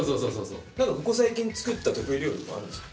何かここ最近作った得意料理とかあるんですか？